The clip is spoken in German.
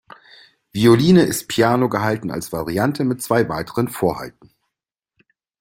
Violine ist piano gehalten als Variante mit zwei weiteren Vorhalten.